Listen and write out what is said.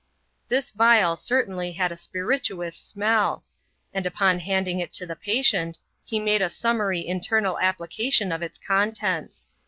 This vial certainly had a spirituous smell ; and upon handing it to the patient, he made a summary internal application of ita contents.